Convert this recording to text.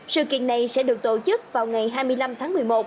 sự kiện này sẽ được tổ chức vào ngày hai mươi năm tháng một mươi một